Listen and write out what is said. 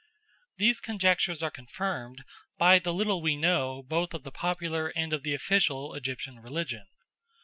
These conjectures are confirmed by the little we know both of the popular and of the official Egyptian religion.